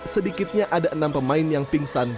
sedikitnya ada enam pemain yang pingsan